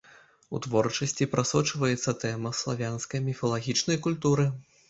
У творчасці прасочваецца тэма славянскай міфалагічнай культуры.